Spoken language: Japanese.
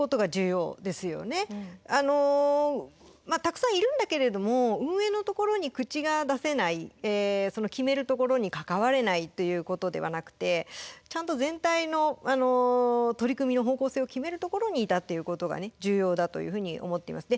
たくさんいるんだけれども運営のところに口が出せない決めるところに関われないということではなくてちゃんと全体の取り組みの方向性を決めるところにいたっていうことがね重要だというふうに思っています。